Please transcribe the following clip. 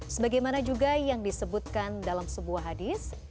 sebagaimana juga yang disebutkan dalam sebuah hadis